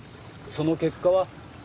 その結果は？